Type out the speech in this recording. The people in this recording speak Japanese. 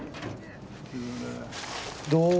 どう。